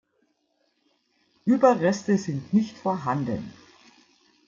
Überreste sind nicht vorhanden.